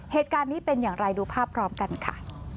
เหตุการณ์นี้เป็นอย่างไรดูภาพพร้อมกันค่ะ